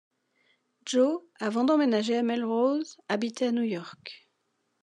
Jo avant d'emménager à Melrose habitait à New York.